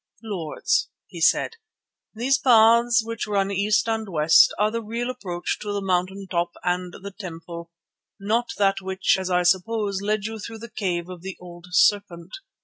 "Lords," he said, "these paths which run east and west are the real approach to the mountain top and the temple, not that which, as I suppose, led you through the cave of the old serpent.